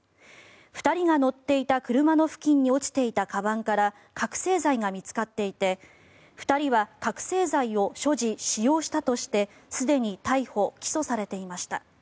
２人が乗っていた車の付近に落ちていたかばんから覚醒剤が見つかっていて２人は覚醒剤を所持・使用したとしてすでに逮捕・起訴されていました。